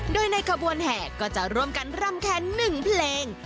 โดยในขบวนแห่ก็จะร่วมกันรำแคน๑เพลง